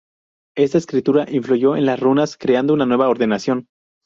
Esta escritura influyó en las runas, creando una nueva ordenación.